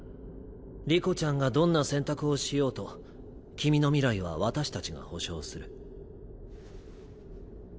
理子ちゃんがどんな選択をしようと君の未来は私たちが保証する。